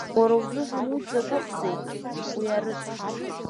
Уара узыҳәан уи дзакәыхзеи, уи арыцҳа!